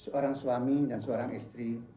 seorang suami dan seorang istri